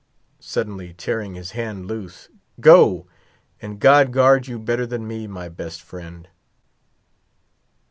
suddenly tearing his hand loose, "go, and God guard you better than me, my best friend."